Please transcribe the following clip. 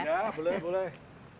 ya boleh boleh